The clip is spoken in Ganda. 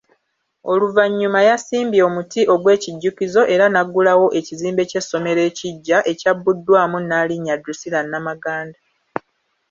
Oluvannyuma yasimbye omuti ogw’ekijjukizo era n’aggulawo ekizimbe ky’essomero ekiggya ekyabbuddwamu Nnaalinnya Druscilla Namaganda.